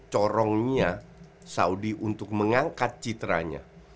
corongnya saudi untuk mengangkat citranya